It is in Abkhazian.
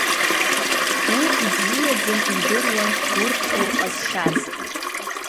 Уи ибзиаӡан идыруан урҭ ирҟазшьаз.